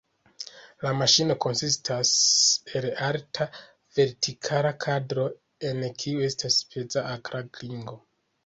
La maŝino konsistas el alta vertikala kadro, en kiu estas peza akra klingo.